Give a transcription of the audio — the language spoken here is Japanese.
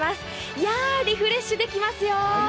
いや、リフレッシュできますよ。